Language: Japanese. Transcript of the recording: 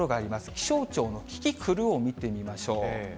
気象庁のキキクルを見てみましょう。